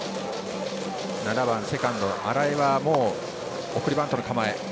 ７番セカンド荒江は送りバントの構え。